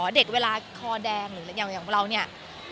เด็ดเวลาคอแดงอย่างเราเนี่ย